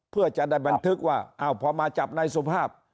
เพื่อจะได้บันทึกว่าพอมาจับนายสุภาพ